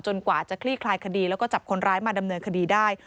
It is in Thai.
กว่าจะคลี่คลายคดีแล้วก็จับคนร้ายมาดำเนินคดีได้